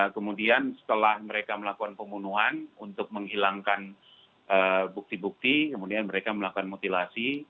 kemudian setelah mereka melakukan pembunuhan untuk menghilangkan bukti bukti kemudian mereka melakukan mutilasi